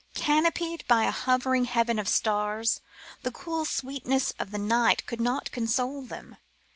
Canopied by a hovering heaven of stars, the cool sweetness of the night could not console them.